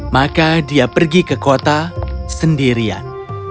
maka dia pergi ke kota sendirian